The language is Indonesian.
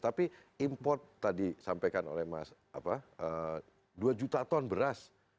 tapi import tadi sampaikan oleh mas dua juta ton beras